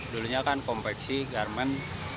dulunya kan kompleksi garmen